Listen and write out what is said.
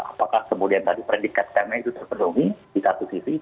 apakah kemudian tadi predikat karena itu terpenuhi di satu sisi